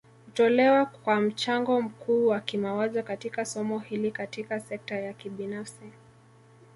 Hutolewa kwa mchango mkuu wa kimawazo katika somo hili Katika sekta ya kibinafsi